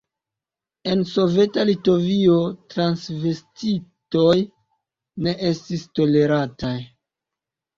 En soveta Litovio transvestitoj ne estis tolerataj.